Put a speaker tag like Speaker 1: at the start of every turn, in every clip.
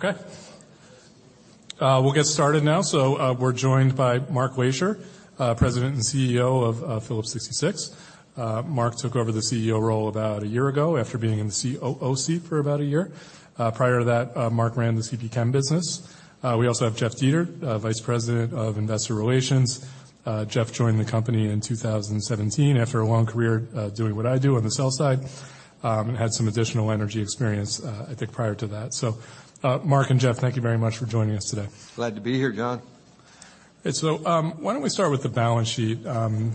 Speaker 1: Okay. We'll get started now. We're joined by Mark Lashier, President and CEO of Phillips 66. Mark took over the CEO role about a year ago after being in the COO seat for about a year. Prior to that, Mark ran the CPChem business. We also have Jeff Dietert, Vice President of Investor Relations. Jeff joined the company in 2017 after a long career, doing what I do on the sales side, and had some additional energy experience, I think, prior to that. Mark and Jeff, thank you very much for joining us today.
Speaker 2: Glad to be here, John.
Speaker 1: Why don't we start with the balance sheet?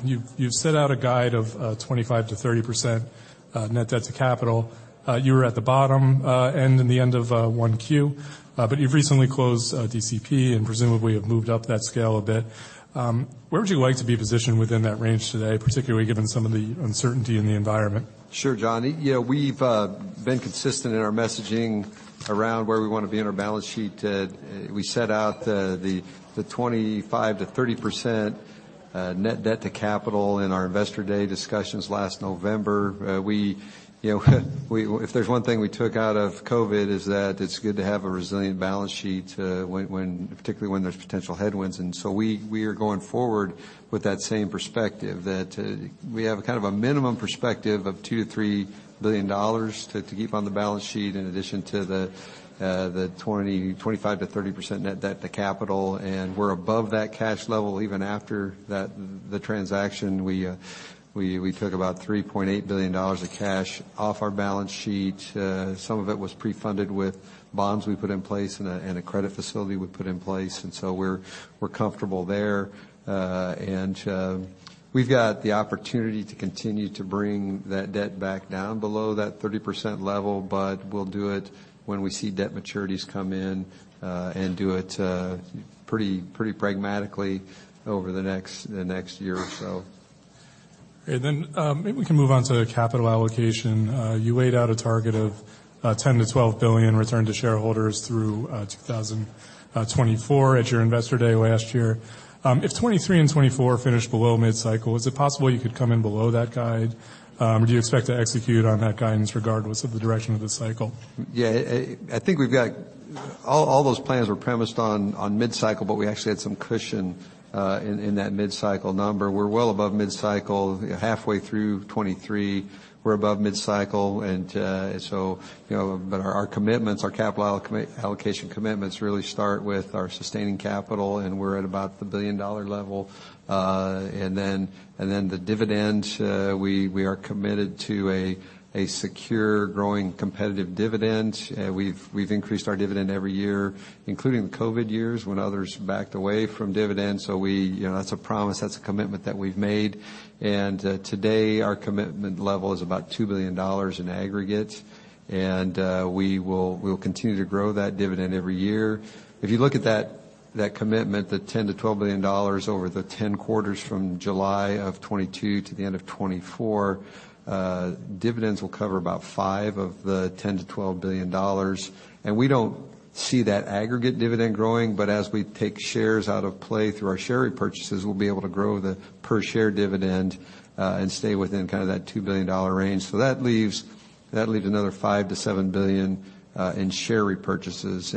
Speaker 1: You've, you've set out a guide of 25% to 30% net debt to capital. You were at the bottom end in the end of Q1, but you've recently closed DCP, and presumably have moved up that scale a bit. Where would you like to be positioned within that range today, particularly given some of the uncertainty in the environment?
Speaker 2: Sure, John. Yeah, we've been consistent in our messaging around where we want to be in our balance sheet. We set out the 25% to 30% net debt to capital in our Investor Day discussions last November. We, you know, if there's one thing we took out of COVID, is that it's good to have a resilient balance sheet, particularly when there's potential headwinds. We are going forward with that same perspective, that we have kind of a minimum perspective of $2 billion to $3 billion to keep on the balance sheet, in addition to the 25% to 30% net debt to capital, and we're above that cash level even after that, the transaction. We took about $3.8 billion of cash off our balance sheet. Some of it was pre-funded with bonds we put in place and a credit facility we put in place, so we're comfortable there. We've got the opportunity to continue to bring that debt back down below that 30% level, but we'll do it when we see debt maturities come in, and do it pretty pragmatically over the next year or so.
Speaker 1: Maybe we can move on to capital allocation. You laid out a target of $10 billion to $12 billion return to shareholders through 2024 at your Investor Day last year. If 2023 and 2024 finish below mid-cycle, is it possible you could come in below that guide? Do you expect to execute on that guidance regardless of the direction of the cycle?
Speaker 2: Yeah, I think we've got. All those plans were premised on mid-cycle, we actually had some cushion in that mid-cycle number. We're well above mid-cycle. Halfway through 2023, we're above mid-cycle, you know, our commitments, our capital allocation commitments really start with our sustaining capital, and we're at about the billion-dollar level. The dividend, we are committed to a secure, growing, competitive dividend. We've increased our dividend every year, including the COVID years, when others backed away from dividends. you know, that's a promise, that's a commitment that we've made. Today, our commitment level is about $2 billion in aggregate, we will continue to grow that dividend every year. If you look at that commitment, the $10 billion to $12 billion over the 10 quarters from July of 2022 to the end of 2024, dividends will cover about $5 billion of the $10 billion to $12 billion. We don't see that aggregate dividend growing, but as we take shares out of play through our share repurchases, we'll be able to grow the per share dividend and stay within kind of that $2 billion range. That leaves another $5 billion to $7 billion in share repurchases.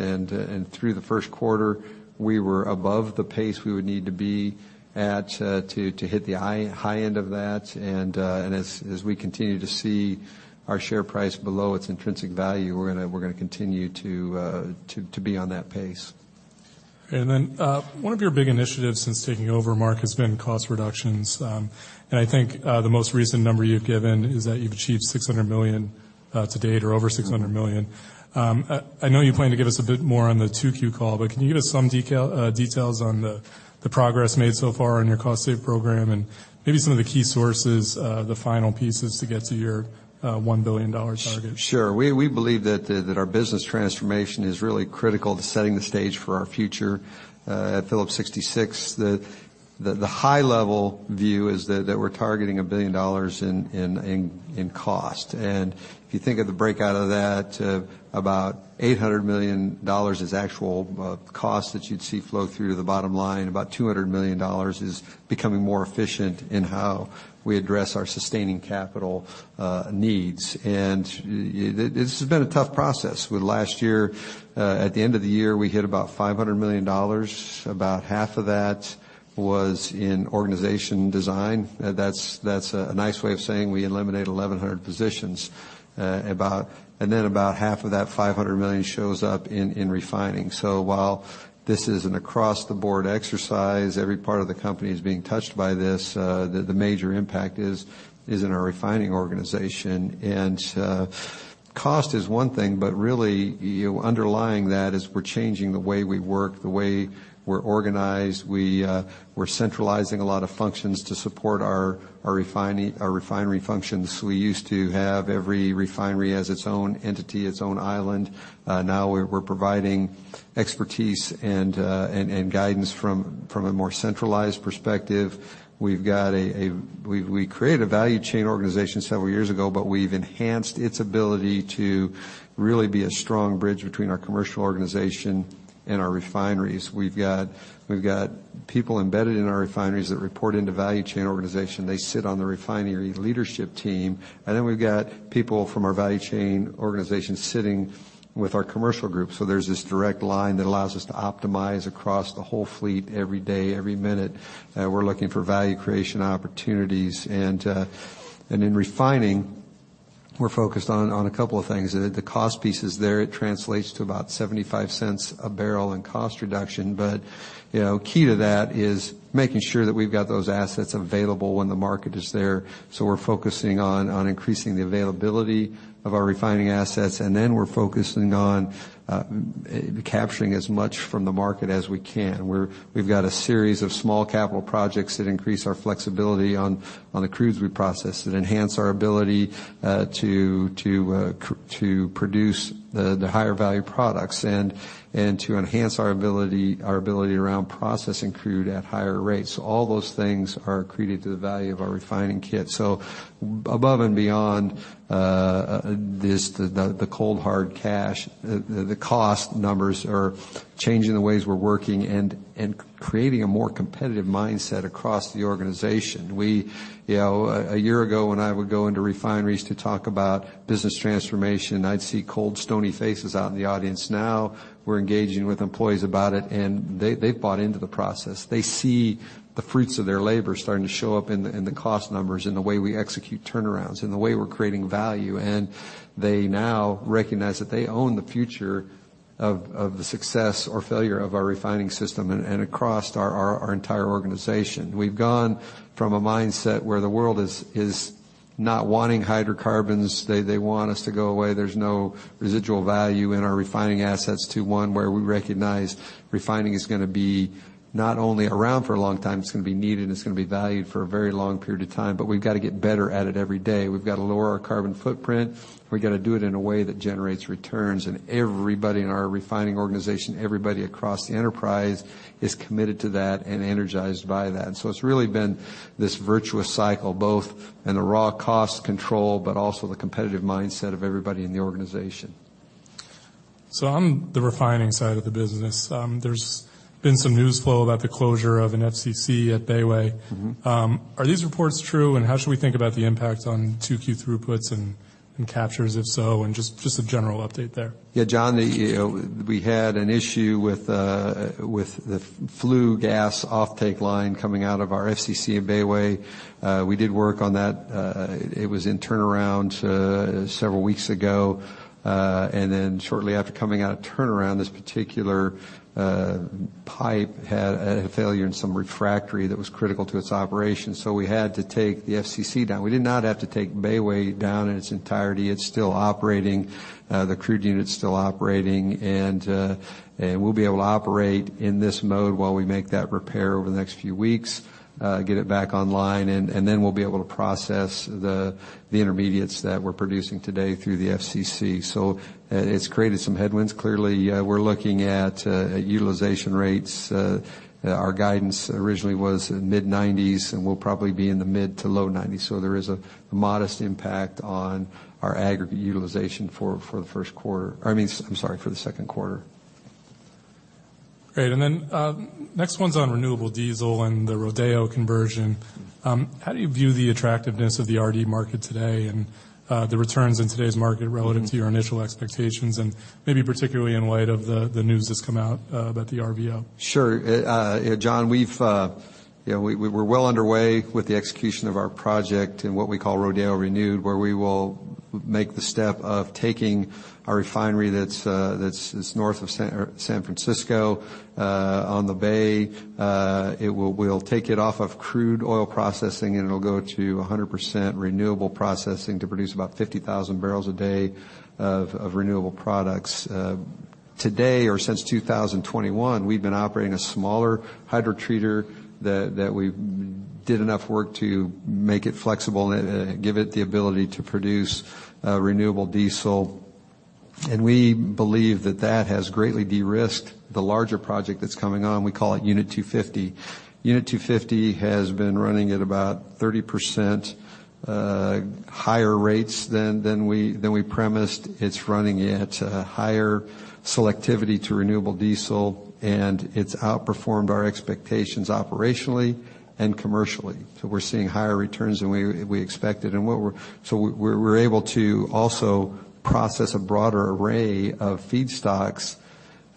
Speaker 2: Through the Q1, we were above the pace we would need to be at to hit the high end of that. As we continue to see our share price below its intrinsic value, we're gonna continue to be on that pace.
Speaker 1: One of your big initiatives since taking over, Mark, has been cost reductions. I think the most recent number you've given is that you've achieved $600 million to date, or over $600 million. I know you plan to give us a bit more on the Q2 call, but can you give us some details on the progress made so far on your cost save program, and maybe some of the key sources, the final pieces to get to your $1 billion dollar target?
Speaker 2: Sure. We believe that our business transformation is really critical to setting the stage for our future at Phillips 66. The high-level view is that we're targeting $1 billion in cost. If you think of the breakout of that, about $800 million is actual cost that you'd see flow through to the bottom line. About $200 million is becoming more efficient in how we address our sustaining capital needs. This has been a tough process. With last year, at the end of the year, we hit about $500 million. About half of that was in organization design. That's a nice way of saying we eliminated 1,100 positions. About half of that $500 million shows up in refining. While this is an across-the-board exercise, every part of the company is being touched by this, the major impact is in our refining organization. Cost is one thing, but really, underlying that is we're changing the way we work, the way we're organized. We're centralizing a lot of functions to support our refinery functions. We used to have every refinery as its own entity, its own island. Now we're providing expertise and guidance from a more centralized perspective. We created a value chain organization several years ago, we've enhanced its ability to really be a strong bridge between our commercial organization and our refineries. We've got people embedded in our refineries that report into Value Chain Organization. They sit on the refinery leadership team, and then we've got people from our Value Chain Organization sitting with our commercial group. There's this direct line that allows us to optimize across the whole fleet every day, every minute. We're looking for value creation opportunities. In refining, we're focused on a couple of things. The cost piece is there. It translates to about $0.75 a barrel in cost reduction. You know, key to that is making sure that we've got those assets available when the market is there. We're focusing on increasing the availability of our refining assets, and then we're focusing on capturing as much from the market as we can. We've got a series of small capital projects that increase our flexibility on the cruise we process, that enhance our ability to produce the higher value products, and to enhance our ability around processing crude at higher rates. All those things are accreted to the value of our refining kit. Above and beyond the cold, hard cash, the cost numbers are changing the ways we're working and creating a more competitive mindset across the organization. We, you know, a year ago, when I would go into refineries to talk about business transformation, I'd see cold, stony faces out in the audience. Now, we're engaging with employees about it, and they've bought into the process. They see the fruits of their labor starting to show up in the cost numbers, in the way we execute turnarounds, in the way we're creating value. They now recognize that they own the future of the success or failure of our refining system and across our entire organization. We've gone from a mindset where the world is not wanting hydrocarbons. They want us to go away. There's no residual value in our refining assets to one where we recognize refining is gonna be not only around for a long time, it's gonna be needed, and it's gonna be valued for a very long period of time. We've got to get better at it every day. We've got to lower our carbon footprint. We've got to do it in a way that generates returns, and everybody in our refining organization, everybody across the enterprise, is committed to that and energized by that. It's really been this virtuous cycle, both in the raw cost control, but also the competitive mindset of everybody in the organization.
Speaker 1: On the refining side of the business, there's been some news flow about the closure of an FCC at Bayway.
Speaker 2: Mm-hmm.
Speaker 1: Are these reports true, how should we think about the impact on Q2 throughputs and captures, if so? Just a general update there.
Speaker 2: Yeah, John, the, we had an issue with the flue gas offtake line coming out of our FCC in Bayway. We did work on that. It was in turnaround several weeks ago. Shortly after coming out of turnaround, this particular pipe had a failure in some refractory that was critical to its operation, so we had to take the FCC down. We did not have to take Bayway down in its entirety. It's still operating, the crude unit's still operating, and we'll be able to operate in this mode while we make that repair over the next few weeks, get it back online. Then we'll be able to process the intermediates that we're producing today through the FCC. It's created some headwinds. Clearly, we're looking at utilization rates. Our guidance originally was mid-nineties, and we'll probably be in the mid to low nineties. There is a modest impact on our aggregate utilization, I mean, I'm sorry, for the Q2.
Speaker 1: Great. Then, next one's on renewable diesel and the Rodeo conversion. How do you view the attractiveness of the RD market today and the returns in today's market relative to your initial expectations, and maybe particularly in light of the news that's come out about the RVO?
Speaker 2: Sure. John, we've, you know, we're well underway with the execution of our project in what we call Rodeo Renewed, where we will make the step of taking a refinery that's north of San Francisco, on the Bay. We'll take it off of crude oil processing, and it'll go to 100% renewable processing to produce about 50,000 barrels a day of renewable products. Today, or since 2021, we've been operating a smaller hydrotreater that we did enough work to make it flexible and give it the ability to produce renewable diesel. We believe that that has greatly de-risked the larger project that's coming on. We call it Unit 250. Unit 250 has been running at about 30% higher rates than we premised. It's running at a higher selectivity to renewable diesel, and it's outperformed our expectations operationally and commercially. We're seeing higher returns than we expected, so we're able to also process a broader array of feedstocks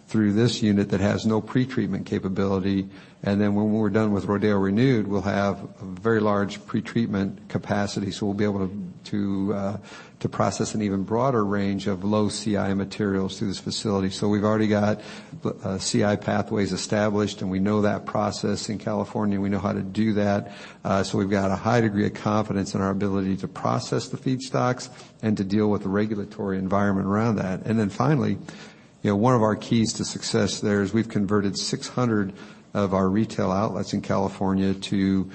Speaker 2: through this unit that has no pretreatment capability. When we're done with Rodeo Renewed, we'll have a very large pretreatment capacity, so we'll be able to process an even broader range of low CI materials through this facility. We've already got CI pathways established, and we know that process in California. We know how to do that. We've got a high degree of confidence in our ability to process the feedstocks and to deal with the regulatory environment around that. Finally, you know, one of our keys to success there is we've converted 600 of our retail outlets in California to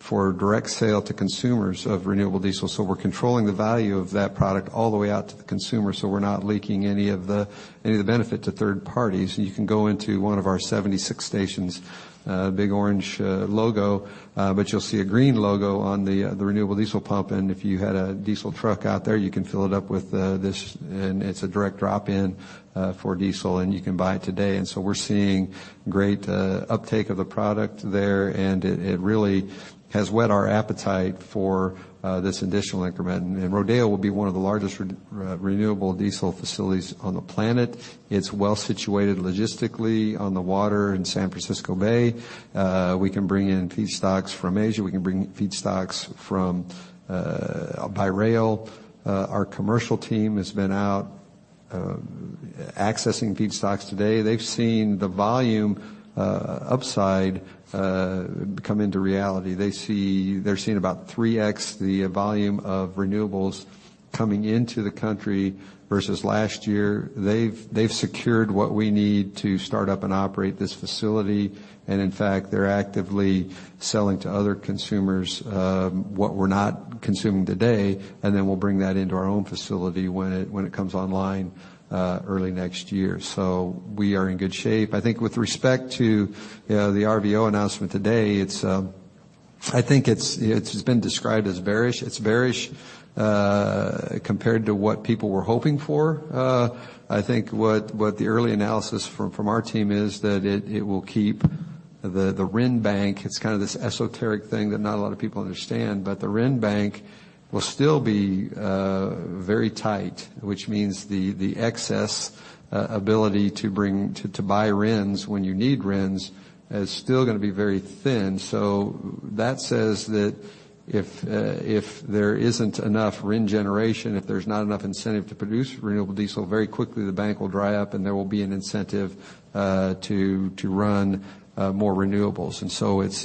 Speaker 2: for direct sale to consumers of renewable diesel. We're controlling the value of that product all the way out to the consumer, so we're not leaking any of the benefit to third parties. You can go into one of our 76 stations, big orange logo, you'll see a green logo on the renewable diesel pump. If you had a diesel truck out there, you can fill it up with this, and it's a direct drop-in for diesel, and you can buy it today. We're seeing great uptake of the product there, and it really has whet our appetite for this additional increment. Rodeo will be one of the largest renewable diesel facilities on the planet. It's well situated logistically on the water in San Francisco Bay. We can bring in feedstocks from Asia. We can bring feedstocks from by rail. Our commercial team has been accessing feedstocks today, they've seen the volume upside come into reality. They're seeing about 3x the volume of renewables coming into the country versus last year. They've secured what we need to start up and operate this facility, and in fact, they're actively selling to other consumers what we're not consuming today, and then we'll bring that into our own facility when it comes online early next year. We are in good shape. I think with respect to the RVO announcement today, it's, I think it's been described as bearish. It's bearish compared to what people were hoping for. I think what the early analysis from our team is that it will keep the RIN Bank. It's kind of this esoteric thing that not a lot of people understand, but the RIN Bank will still be very tight, which means the excess ability to buy RINs when you need RINs, is still gonna be very thin. That says that if there isn't enough RIN generation, if there's not enough incentive to produce renewable diesel, very quickly, the bank will dry up, and there will be an incentive to run more renewables.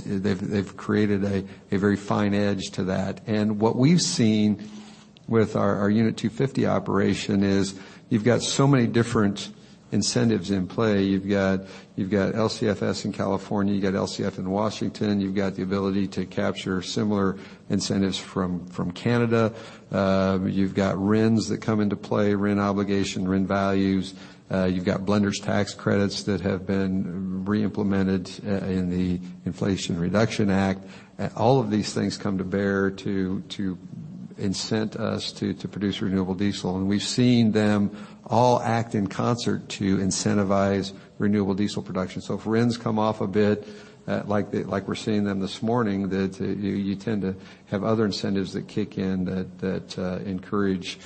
Speaker 2: They've created a very fine edge to that. What we've seen with our Unit 250 operation is you've got so many different incentives in play. You've got LCFS in California, you've got LCF in Washington, you've got the ability to capture similar incentives from Canada. You've got RINs that come into play, RIN obligation, RIN values. You've got blender's tax credits that have been re-implemented in the Inflation Reduction Act. All of these things come to bear to incent us to produce renewable diesel, and we've seen them all act in concert to incentivize renewable diesel production. If RINs come off a bit, like we're seeing them this morning, you tend to have other incentives that kick in, that encourage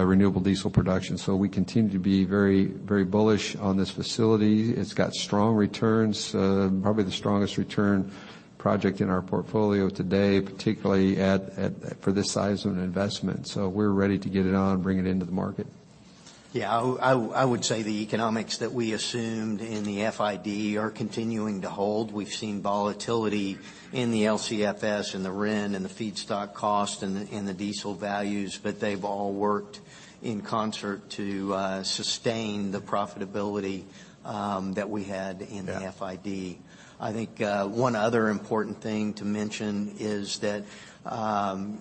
Speaker 2: renewable diesel production. We continue to be very, very bullish on this facility. It's got strong returns, probably the strongest return project in our portfolio today, particularly for this size of an investment. We're ready to get it on and bring it into the market.
Speaker 3: I would say the economics that we assumed in the FID are continuing to hold. We've seen volatility in the LCFS, and the RIN, and the feedstock cost, and the, and the diesel values, but they've all worked in concert to sustain the profitability that we had.
Speaker 2: Yeah.
Speaker 3: in the FID. I think, one other important thing to mention is that,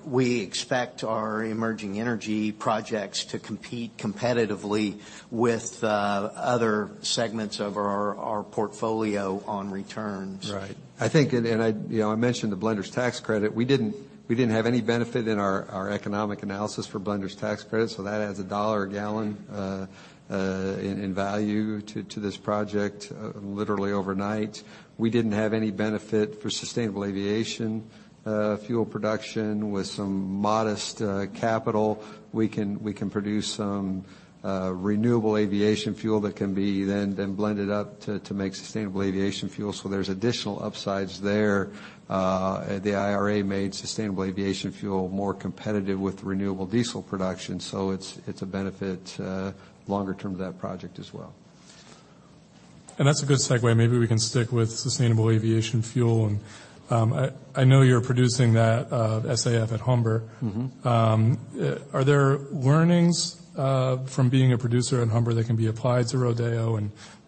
Speaker 3: we expect our emerging energy projects to compete competitively with, other segments of our portfolio on returns.
Speaker 2: Right. I think, and I, you know, I mentioned the blender's tax credit. We didn't have any benefit in our economic analysis for blender's tax credit, so that adds $1 a gallon in value to this project literally overnight. We didn't have any benefit for sustainable aviation fuel production. With some modest capital, we can produce some renewable aviation fuel that can be then blended up to make sustainable aviation fuel. There's additional upsides there. The IRA made sustainable aviation fuel more competitive with renewable diesel production, so it's a benefit longer term to that project as well.
Speaker 1: That's a good segue. Maybe we can stick with sustainable aviation fuel. I know you're producing that SAF at Humber.
Speaker 2: Mm-hmm.
Speaker 1: Are there learnings from being a producer at Humber that can be applied to Rodeo?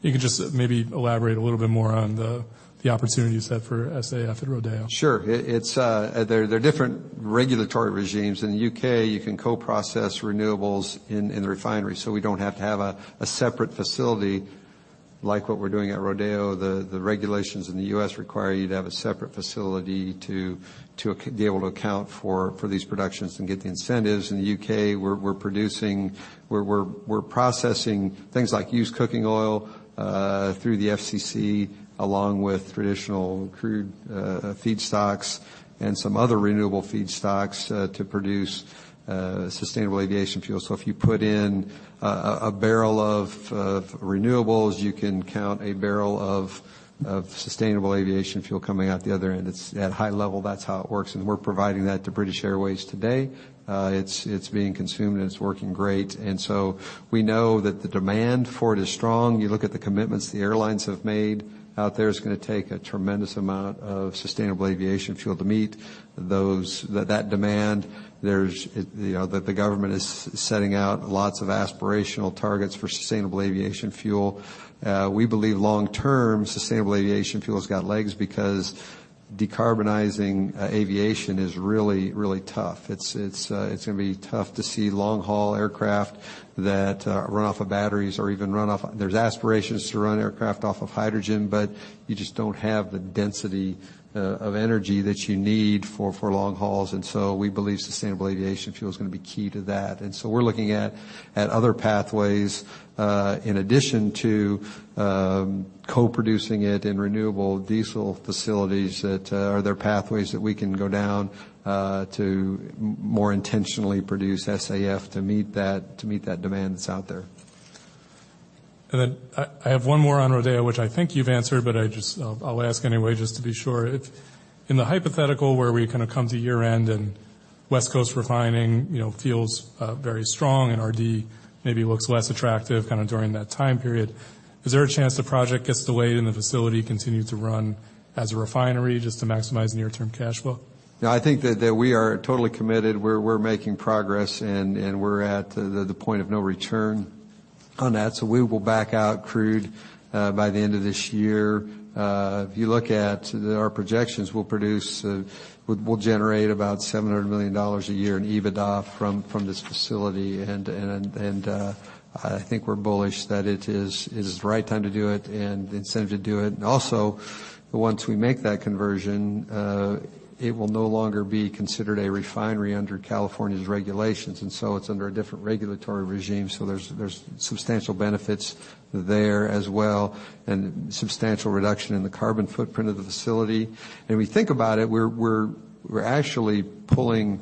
Speaker 1: You can just maybe elaborate a little bit more on the opportunities set for SAF at Rodeo?
Speaker 2: Sure. It's there are different regulatory regimes. In the U.K., you can co-process renewables in the refinery, we don't have to have a separate facility like what we're doing at Rodeo. The regulations in the U.S. require you to have a separate facility to be able to account for these productions and get the incentives. In the U.K., we're producing, we're processing things like used cooking oil through the FCC, along with traditional crude feedstocks and some other renewable feedstocks to produce sustainable aviation fuel. If you put in a barrel of renewables, you can count a barrel of sustainable aviation fuel coming out the other end. It's at high level, that's how it works, and we're providing that to British Airways today. It's being consumed, and it's working great. We know that the demand for it is strong. You look at the commitments the airlines have made out there, it's gonna take a tremendous amount of sustainable aviation fuel to meet that demand. There's, you know, the government is setting out lots of aspirational targets for sustainable aviation fuel. We believe long-term, sustainable aviation fuel's got legs because decarbonizing aviation is really, really tough. It's gonna be tough to see long-haul aircraft that run off of batteries or even run off. There's aspirations to run aircraft off of hydrogen, but you just don't have the density of energy that you need for long hauls. We believe sustainable aviation fuel is gonna be key to that. We're looking at other pathways, in addition to, co-producing it in renewable diesel facilities, that, are there pathways that we can go down, to more intentionally produce SAF to meet that demand that's out there?
Speaker 1: I have one more on Rodeo, which I think you've answered, but I'll ask anyway, just to be sure. If in the hypothetical, where we kind of come to year-end, and West Coast refining, you know, feels very strong, and RD maybe looks less attractive kind of during that time period, is there a chance the project gets delayed, and the facility continues to run as a refinery just to maximize near-term cash flow?
Speaker 2: Yeah, I think that we are totally committed. We're making progress, and we're at the point of no return on that. We will back out crude by the end of this year. If you look at our projections, we'll produce, we'll generate about $700 million a year in EBITDA from this facility. I think we're bullish that it's the right time to do it and incentive to do it. Also, once we make that conversion, it will no longer be considered a refinery under California's regulations. It's under a different regulatory regime, so there's substantial benefits there as well, and substantial reduction in the carbon footprint of the facility. We think about it, we're actually pulling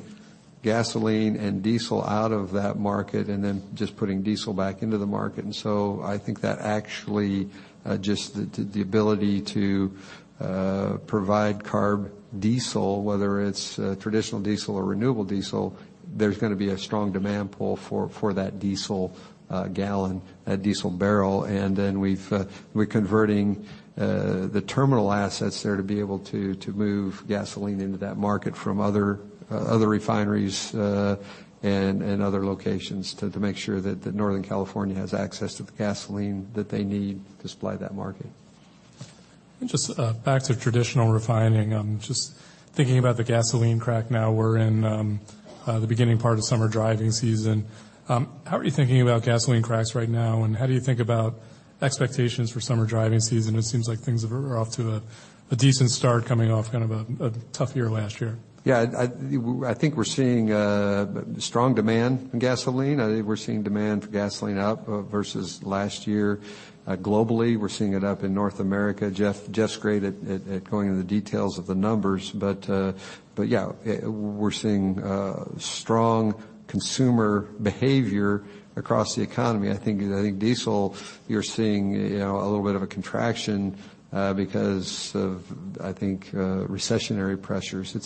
Speaker 2: gasoline and diesel out of that market and then just putting diesel back into the market. I think that actually, just the ability to provide CARB diesel, whether it's traditional diesel or renewable diesel, there's gonna be a strong demand pull for that diesel gallon, diesel barrel. We've, we're converting the terminal assets there to be able to move gasoline into that market from other refineries and other locations, to make sure that Northern California has access to the gasoline that they need to supply that market.
Speaker 1: Just back to traditional refining, just thinking about the gasoline crack now, we're in the beginning part of summer driving season. How are you thinking about gasoline cracks right now, and how do you think about expectations for summer driving season? It seems like things are off to a decent start coming off kind of a tough year last year.
Speaker 2: I think we're seeing strong demand in gasoline. I think we're seeing demand for gasoline up versus last year. Globally, we're seeing it up in North America. Jeff's great at going into the details of the numbers, but yeah, we're seeing strong consumer behavior across the economy. I think diesel, you're seeing, you know, a little bit of a contraction, because of, I think, recessionary pressures. It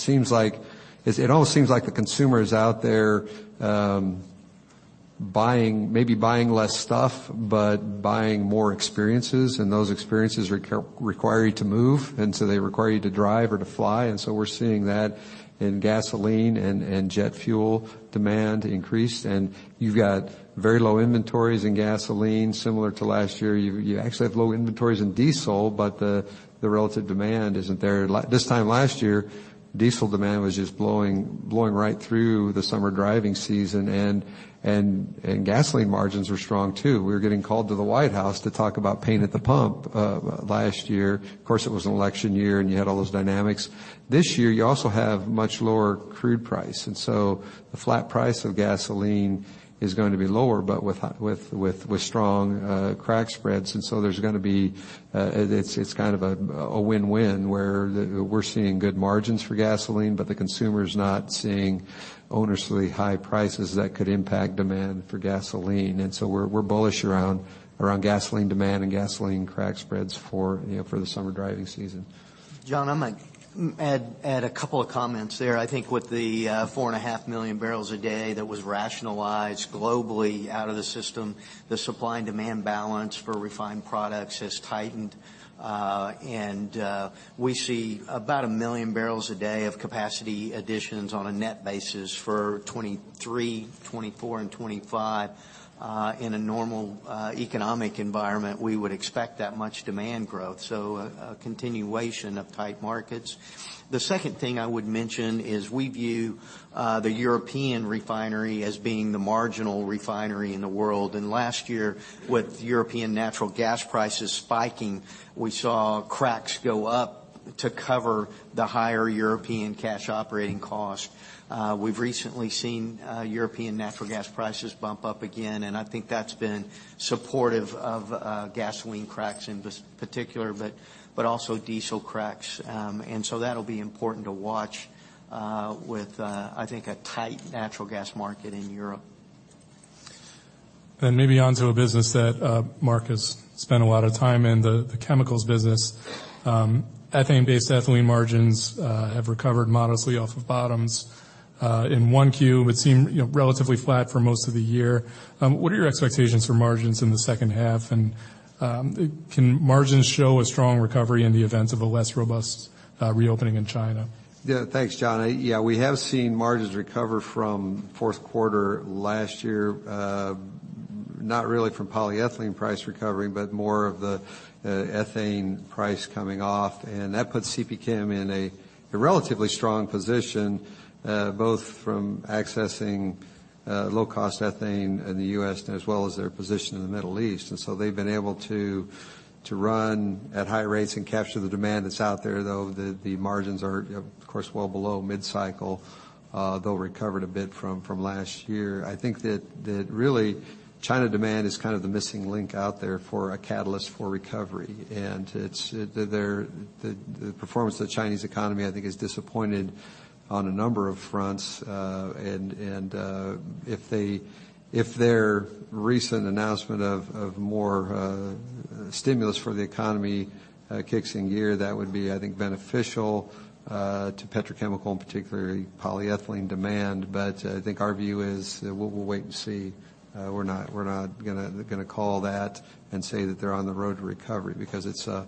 Speaker 2: almost seems like the consumer is out there buying, maybe buying less stuff, but buying more experiences, and those experiences require you to move, and so they require you to drive or to fly. We're seeing that in gasoline and jet fuel demand increase, and you've got very low inventories in gasoline similar to last year. You actually have low inventories in diesel, but the relative demand isn't there. This time last year, diesel demand was just blowing right through the summer driving season, and gasoline margins were strong, too. We were getting called to the White House to talk about pain at the pump last year. Of course, it was an election year, and you had all those dynamics. This year, you also have much lower crude price, the flat price of gasoline is going to be lower, but with strong crack spreads. There's gonna be it's kind of a win-win, where we're seeing good margins for gasoline, but the consumer is not seeing ominously high prices that could impact demand for gasoline. We're bullish around gasoline demand and gasoline crack spreads for, you know, for the summer driving season.
Speaker 3: John, I might add a couple of comments there. I think with the 4.5 million barrels a day that was rationalized globally out of the system, the supply and demand balance for refined products has tightened. We see about a million barrels a day of capacity additions on a net basis for 2023, 2024, and 2025. In a normal economic environment, we would expect that much demand growth, so a continuation of tight markets. The second thing I would mention is we view the European refinery as being the marginal refinery in the world. Last year, with European natural gas prices spiking, we saw cracks go up to cover the higher European cash operating costs. We've recently seen European natural gas prices bump up again. I think that's been supportive of gasoline cracks in this particular, but also diesel cracks. That'll be important to watch with, I think, a tight natural gas market in Europe.
Speaker 1: Maybe onto a business that Mark Lashier has spent a lot of time in, the chemicals business. Ethane-based ethylene margins have recovered modestly off of bottoms. In Q1, it would seem, you know, relatively flat for most of the year. What are your expectations for margins in the second half? Can margins show a strong recovery in the events of a less robust reopening in China?
Speaker 2: Thanks, John. We have seen margins recover from Q4 last year, not really from polyethylene price recovery, but more of the ethane price coming off, and that puts CPChem in a relatively strong position, both from accessing low-cost ethane in the U.S. as well as their position in the Middle East. They've been able to run at high rates and capture the demand that's out there, though, the margins are, of course, well below mid-cycle, though recovered a bit from last year. I think that really China demand is kind of the missing link out there for a catalyst for recovery. It's their performance of the Chinese economy, I think, is disappointed on a number of fronts. If their recent announcement of more stimulus for the economy kicks in gear, that would be, I think, beneficial, to petrochemical, and particularly polyethylene demand. I think our view is, we'll wait and see. We're not gonna call that and say that they're on the road to recovery because it's a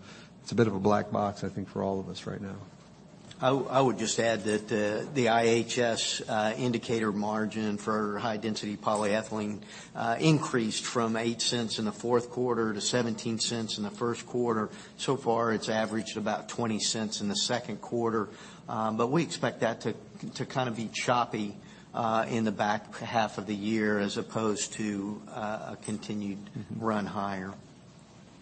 Speaker 2: bit of a black box, I think, for all of us right now.
Speaker 3: I would just add that, the IHS indicator margin for high-density polyethylene increased from $0.08 in the Q4 to $0.17 in the Q1. So far, it's averaged about $0.20 in the Q2, but we expect that to kind of be choppy in the back half of the year as opposed to.
Speaker 2: Mm-hmm.
Speaker 3: run higher.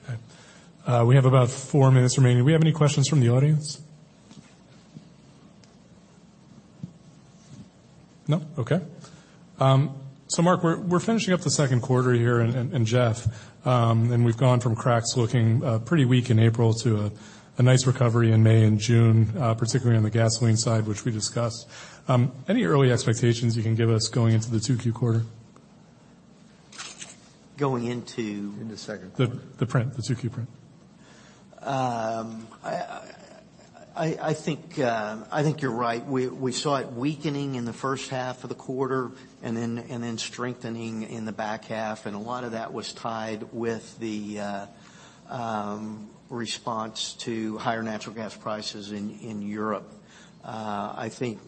Speaker 1: Okay. We have about four minutes remaining. Do we have any questions from the audience? No? Okay. Mark, we're finishing up the Q2 here, and Jeff, we've gone from cracks looking pretty weak in April to a nice recovery in May and June, particularly on the gasoline side, which we discussed. Any early expectations you can give us going into the Q2?
Speaker 3: Going into?
Speaker 2: In the Q2.
Speaker 1: The, the print, the Q2 print.
Speaker 3: I think you're right. We saw it weakening in the first half of the quarter, and then strengthening in the back half, and a lot of that was tied with the response to higher natural gas prices in Europe. I think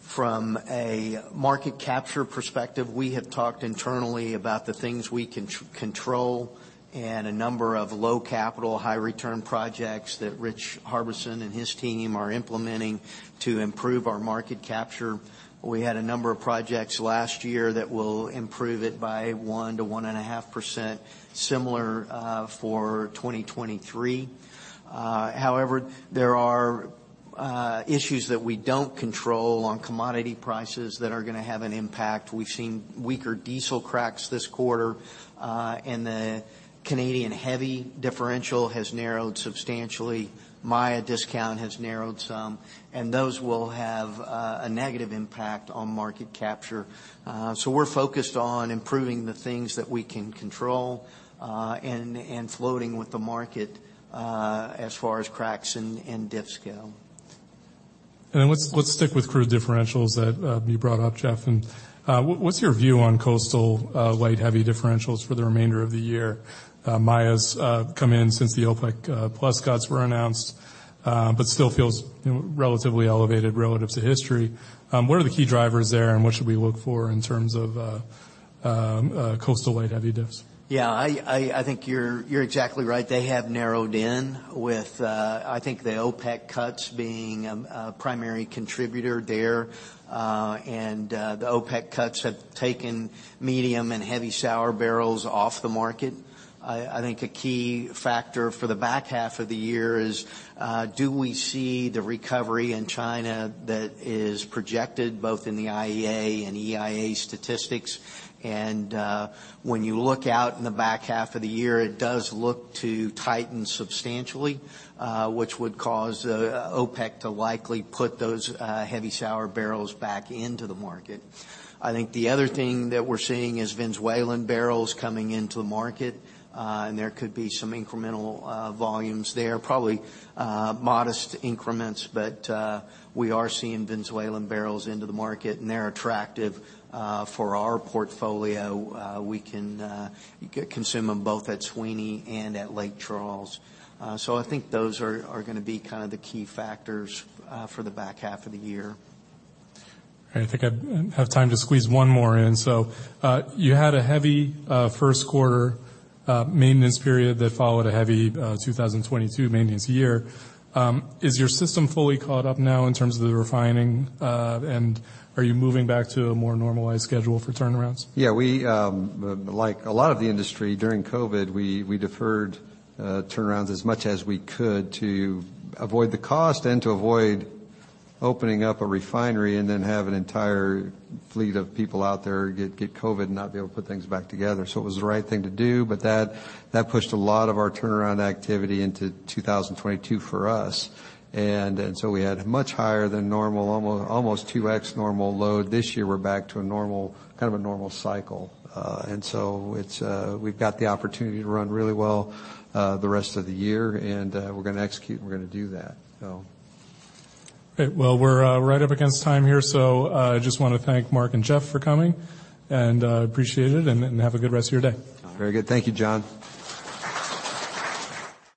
Speaker 3: from a market capture perspective, we have talked internally about the things we control and a number of low capital, high return projects that Rich Harbison and his team are implementing to improve our market capture. We had a number of projects last year that will improve it by 1% to 1.5%, similar for 2023. There are issues that we don't control on commodity prices that are gonna have an impact. We've seen weaker diesel cracks this quarter, and the Canadian heavy differential has narrowed substantially. Maya discount has narrowed some, and those will have a negative impact on market capture. We're focused on improving the things that we can control, and floating with the market, as far as cracks and diffs scale.
Speaker 1: Let's stick with crude differentials that you brought up, Jeff. What's your view on coastal light, heavy differentials for the remainder of the year? Mayas come in since the OPEC+ cuts were announced, but still feels, you know, relatively elevated relative to history. What are the key drivers there, and what should we look for in terms of coastal light, heavy diffs?
Speaker 3: Yeah, I think you're exactly right. They have narrowed in with, I think the OPEC cuts being a primary contributor there. The OPEC cuts have taken medium and heavy sour barrels off the market. I think a key factor for the back half of the year is, do we see the recovery in China that is projected both in the IEA and EIA statistics? When you look out in the back half of the year, it does look to tighten substantially, which would cause OPEC to likely put those heavy sour barrels back into the market. I think the other thing that we're seeing is Venezuelan barrels coming into the market, there could be some incremental volumes there. Probably, modest increments. We are seeing Venezuelan barrels into the market, and they're attractive, for our portfolio. We can, consume them both at Sweeny and at Lake Charles. I think those are gonna be kind of the key factors, for the back half of the year.
Speaker 1: I think I have time to squeeze one more in. You had a heavy, Q1, maintenance period that followed a heavy, 2022 maintenance year. Is your system fully caught up now in terms of the refining? Are you moving back to a more normalized schedule for turnarounds?
Speaker 2: Yeah, we, like a lot of the industry during COVID, we deferred turnarounds as much as we could to avoid the cost and to avoid opening up a refinery and then have an entire fleet of people out there get COVID and not be able to put things back together. It was the right thing to do, but that pushed a lot of our turnaround activity into 2022 for us. We had much higher than normal, almost 2x normal load. This year, we're back to a kind of a normal cycle. It's, we've got the opportunity to run really well the rest of the year, and we're gonna execute, and we're gonna do that, so.
Speaker 1: Well, we're right up against time here, so I just wanna thank Mark and Jeff for coming, and appreciate it, and have a good rest of your day.
Speaker 2: Very good. Thank you, John.